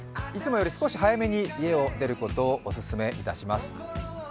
いつもより少し早めに家を出ることをお勧めいたします。